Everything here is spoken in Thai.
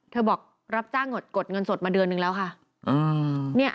บอกรับจ้างกดเงินสดมาเดือนนึงแล้วค่ะ